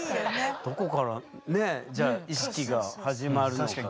どこからねじゃあ意識が始まるのか。